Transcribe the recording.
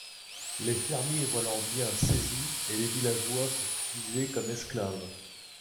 Les fermiers voient leurs biens saisis et les villageois sont utilisés comme esclaves.